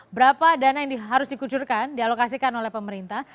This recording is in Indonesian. berapa dana yang harus dikucurkan dialokasikan oleh pemerintah